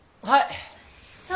はい。